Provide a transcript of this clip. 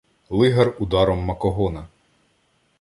Лигар ударом макогона